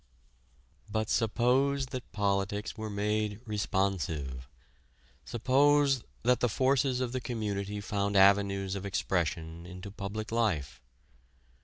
But suppose that politics were made responsive suppose that the forces of the community found avenues of expression into public life.